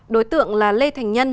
đối tượng là lê thành nhân